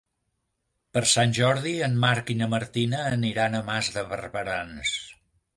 Per Sant Jordi en Marc i na Martina aniran a Mas de Barberans.